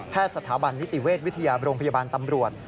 สถาบันนิติเวชวิทยาโรงพยาบาลตำรวจ